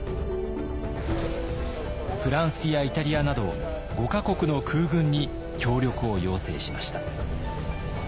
フランスやイタリアなど５か国の空軍に協力を要請しました。